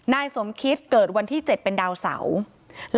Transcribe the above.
นายสมคิตเกิดวันที่๗เป็นดาวเสา